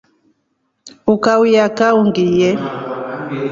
Ukaulya kaa ungie.